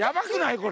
これ。